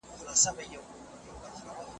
که ټیم وي نو یوازیتوب نه احساسیږي.